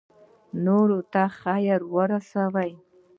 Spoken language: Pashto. نورو ته خیر ورسوئ